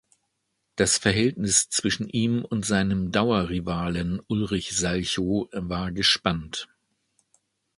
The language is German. Das Verhältnis zwischen ihm und seinem Dauerrivalen Ulrich Salchow war gespannt.